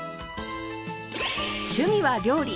趣味は料理。